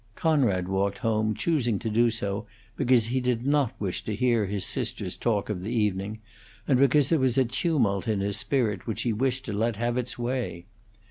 Conrad walked home, choosing to do so because he did not wish to hear his sisters' talk of the evening, and because there was a tumult in his spirit which he wished to let have its way.